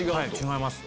違います。